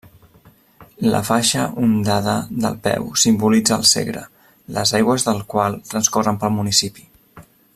La faixa ondada del peu simbolitza el Segre, les aigües del qual transcorren pel municipi.